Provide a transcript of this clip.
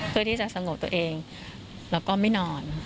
เพื่อที่จะสงบตัวเองแล้วก็ไม่นอน